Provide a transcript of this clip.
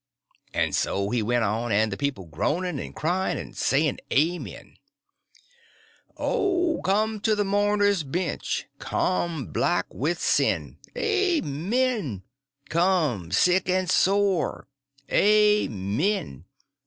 _" And so he went on, and the people groaning and crying and saying amen: "Oh, come to the mourners' bench! come, black with sin! (amen!) come, sick and sore! (_amen!